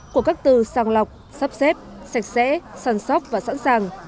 của các từ sang lọc sắp xếp sạch sẽ sản sóc và sẵn sàng